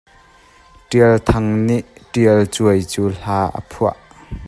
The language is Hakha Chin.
Ṭialthang nih Ṭialcuai cu hla a phuah.